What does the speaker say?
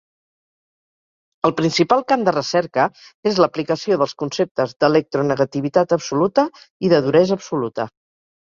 El principal camp de recerca és l'aplicació dels conceptes d'electronegativitat absoluta i de duresa absoluta.